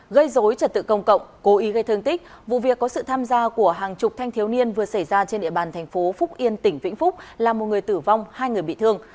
gây dối trật tự công cộng cố ý gây thương tích vụ việc có sự tham gia của hàng chục thanh thiếu niên vừa xảy ra trên địa bàn thành phố phúc yên tỉnh vĩnh phúc làm một người tử vong hai người bị thương